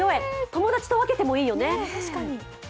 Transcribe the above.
友達と分けてもいいよね。